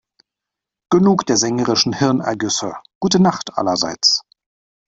Genug der sängerischen Hirnergüsse - gute Nacht, allerseits.